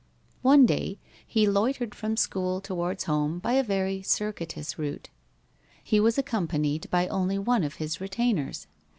One day he loitered from school towards home by a very circuitous route. He was accompanied by only one of his retainers.